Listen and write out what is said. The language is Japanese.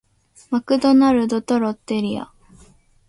マクドナルドとロッテリア